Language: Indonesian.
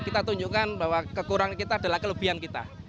kita tunjukkan bahwa kekurangan kita adalah kelebihan kita